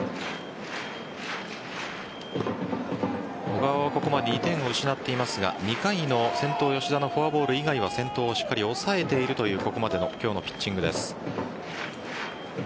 小川はここまで２点を失っていますが２回の先頭・吉田のフォアボール以外は先頭をしっかり抑えているというここまでのピッチングです。